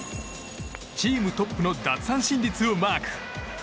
チームトップの奪三振率をマーク。